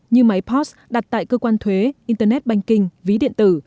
như máy post đặt tại cơ quan thuế internet banking ví điện tử